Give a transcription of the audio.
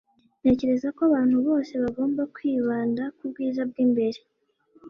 ntekereza ko abantu bose bagomba kwibanda ku bwiza bw'imbere